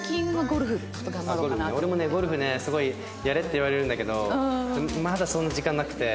ゴルフねすごいやれって言われるんだけどまだそんな時間なくて。